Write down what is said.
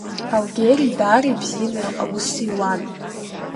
Алгьери даара ибзианы аус иуан.